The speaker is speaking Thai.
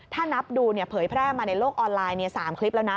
ถ้านับดูเผยแพร่มาในโลกออนไลน์๓คลิปแล้วนะ